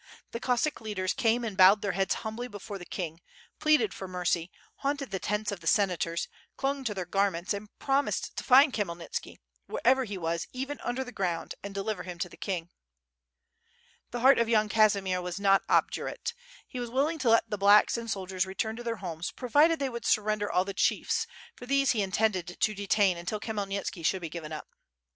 The Cossack leaders came and bowed their heads humbly before the king, pleaded for mercy, haunted the tents of the Senators, clung to their garments, and promised to find Khmyelnitski, wherever he was even under the ground and deliver him to the king. 52 8i8 WITH FIRE AND SWORD. The heart of Yan Kazimier was not obdurate. He was willing to let the "blacks^' and soldiers return to their homes, provided they would surrender all the chiefs, for these he in tended to detain until Khmyelnitski should be given up.